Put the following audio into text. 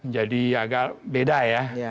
jadi agak beda ya